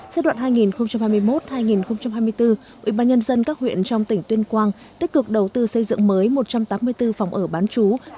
giai đoạn hai nghìn hai mươi một hai nghìn hai mươi bốn ubnd các huyện trong tỉnh tuyên quang tích cực đầu tư xây dựng mới một trăm tám mươi bốn phòng ở bán chú